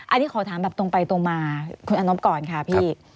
อันนี้ขอถามแบบตรงไปตรงมาคุณอนบก่อนค่ะพี่